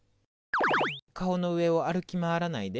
顔の上を歩き回らないで。